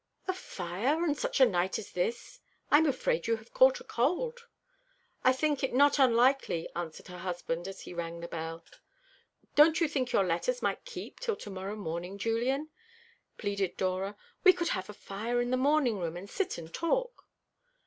"A fire, on such a night as this! I'm afraid you have caught cold." "I think it not unlikely," answered her husband, as he rang the bell. "Don't you think your letters might keep till to morrow morning, Julian?" pleaded Dora. "We could have a fire in the morning room, and sit and talk."